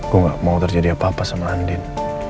gue gak mau terjadi apa apa sama andin